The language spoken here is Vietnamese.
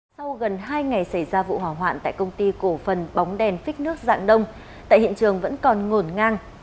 sau gần hai ngày xảy ra vụ hỏa hoạn tại công ty cổ phần bóng đèn phích nước dạng đông tại hiện trường vẫn còn ngổn ngang